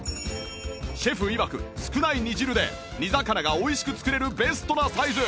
シェフいわく少ない煮汁で煮魚が美味しく作れるベストなサイズ